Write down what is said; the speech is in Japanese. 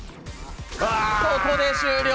ここで終了。